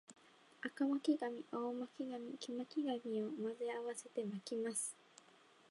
赤巻紙、青巻紙、黄巻紙を混ぜ合わせて巻きます